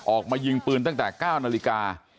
ออกมายิงปืนตั้งแต่๙นาฬิกา